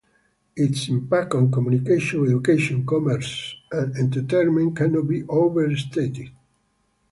Its impact on communication, education, commerce, and entertainment cannot be overstated.